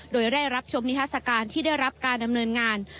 โดยได้รับชมนิทัศกาลที่ได้รับการดำเนินงาน